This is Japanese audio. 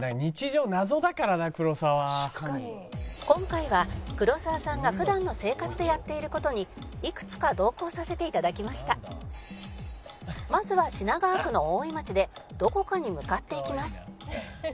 「今回は黒沢さんが普段の生活でやっている事にいくつか同行させて頂きました」「まずは品川区の大井町でどこかに向かっていきます」